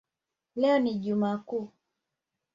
Leo ni ijumaa kuu